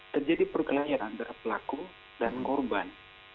terjadi perkelahian antara pelaku dan korban